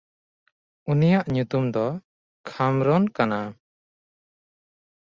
ᱩᱱᱤᱭᱟᱜ ᱧᱩᱛᱩᱢ ᱫᱚ ᱠᱷᱟᱢᱨᱚᱱ ᱠᱟᱱᱟ᱾